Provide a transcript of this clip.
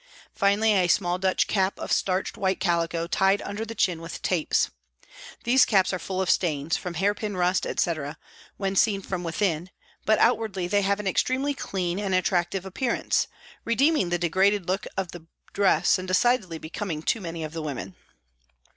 Finally, a small Dutch cap of starched white calico, tied under the chin with tapes. These caps are full of stains, from hairpin rust, etc., when seen from within, but outwardly they have an extremely clean and attractive appearance, redeem ing the degraded look of the dress and decidedly becoming to many of the women.